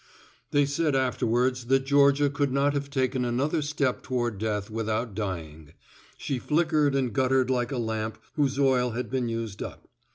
They said afterwards that Georgia could not have taken another small step toward death, without dying. She flickered and guttered like a lamp whose oil has been used up.